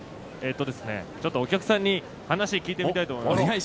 ちょっとお客さんに話を聞いてみたいと思います。